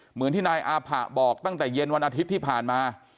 เหมือนที่นายอาผะบอกตั้งแต่เย็นวันอาทิตย์ที่ผ่านมา